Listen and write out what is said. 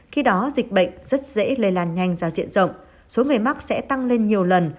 khi đó dịch bệnh rất dễ lây lan nhanh ra diện rộng số người mắc sẽ tăng lên nhiều lần